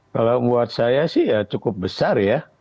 kalau buat saya sih ya cukup besar ya